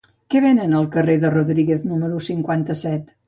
Què venen al carrer de Rodríguez número cinquanta-set?